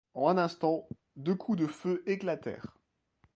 En un instant, deux coups de feu éclatèrent.